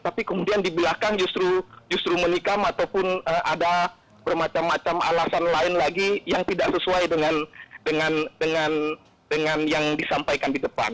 tapi kemudian di belakang justru menikam ataupun ada bermacam macam alasan lain lagi yang tidak sesuai dengan yang disampaikan di depan